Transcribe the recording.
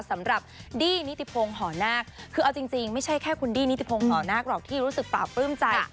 สำหรับดี้นิติพงศ์หอนาคคือเอาจริงไม่ใช่แค่คุณดี้นิติพงศ์ห่อนาคหรอกที่รู้สึกปราบปลื้มใจ